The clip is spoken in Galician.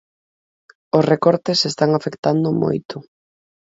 Os recortes están afectando moito.